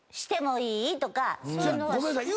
ごめんなさい。